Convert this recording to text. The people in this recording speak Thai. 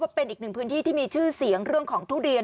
เป็นอีกหนึ่งพื้นที่ที่มีชื่อเสียงเรื่องของทุเรียน